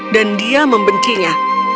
dan dia membencinya